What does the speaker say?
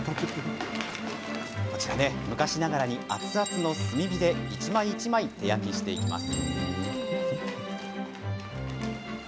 昔ながらに熱々の炭火で一枚一枚、手焼きしていきます。